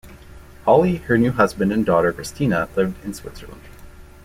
Holly, her new husband and daughter Christina lived in Switzerland.